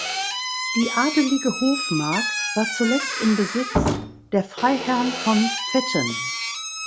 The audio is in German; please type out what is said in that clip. Die adelige Hofmark war zuletzt im Besitz der Freiherrn von Pfetten.